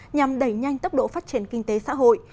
nhằm đẩy nhanh tốc độ phát triển kinh tế xã hội